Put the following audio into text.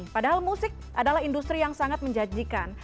padahal musik adalah industri yang sangat menjanjikan